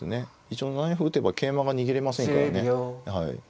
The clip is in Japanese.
一応７四歩打てば桂馬が逃げれませんからね。